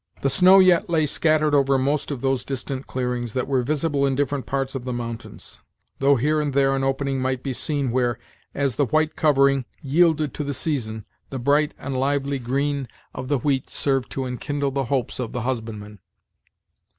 The snow yet lay scattered over most of those distant clearings that were visible in different parts of the mountains; though here and there an opening might be seen where, as the white covering yielded to the season, the bright and lively green of the wheat served to enkindle the hopes of the husbandman.